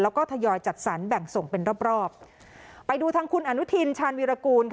แล้วก็ทยอยจัดสรรแบ่งส่งเป็นรอบรอบไปดูทางคุณอนุทินชาญวีรกูล